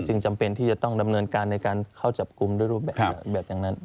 จำเป็นที่จะต้องดำเนินการในการเข้าจับกลุ่มด้วยรูปแบบอย่างนั้น